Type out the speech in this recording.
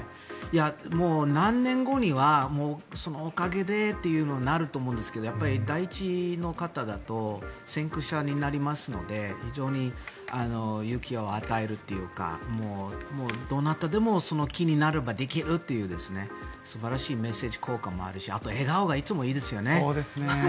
何年後には、そのおかげでとなると思うんですが第一の方だと先駆者になりますので非常に勇気を与えるというかどなたでもその気になればできるという素晴らしいメッセージ効果もあるしあと、笑顔がいつもいいですよね。